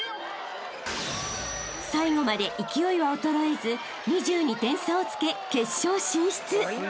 ［最後まで勢いは衰えず２２点差をつけ］